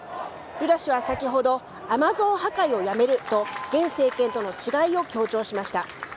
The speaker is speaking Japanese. ルラ氏は先ほど、アマゾン破壊をやめると、現政権との違いを強調しました。